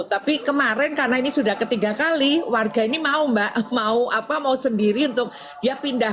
tapi kemarin karena ini sudah ketiga kali warga ini mau sendiri untuk dia pindah